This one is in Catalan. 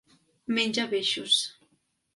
Menja peixos.